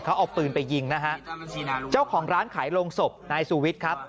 เขาเอาปืนไปยิงนะฮะเจ้าของร้านขายโรงศพนายสุวิทย์ครับ